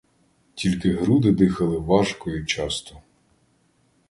Тільки груди дихали важко і часто.